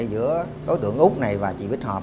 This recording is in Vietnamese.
giữa đối tượng úc này và chị bích hợp